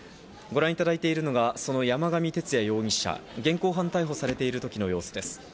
ご覧いただいているのは、その山上徹也容疑者が現行犯逮捕されている時の様子です。